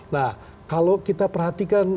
nah kalau kita perhatikan